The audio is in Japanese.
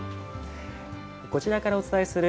こちらからお伝えする